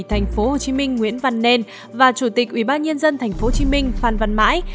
thành phố hồ chí minh nguyễn văn nên và chủ tịch ubnd tp hcm phan văn mãi